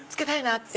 って。